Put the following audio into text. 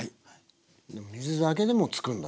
水だけでもつくんだ。